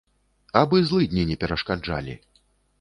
Абы злыдні не перашкаджалі.